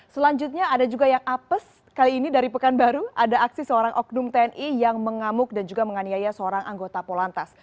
selanjutnya ada juga yang apes kali ini dari pekanbaru ada aksi seorang oknum tni yang mengamuk dan juga menganiaya seorang anggota polantas